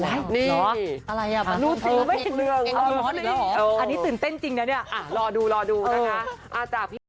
อันนี้ตื่นเต้นจริงนะเนี่ยรอดูรอดูนะคะ